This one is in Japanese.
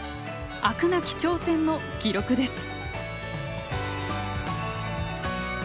飽くなき挑戦の記録です。